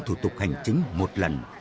thủ tục hành chính một lần